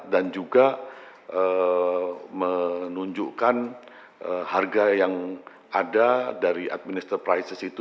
dan juga menunjukkan harga yang ada dari administer prices itu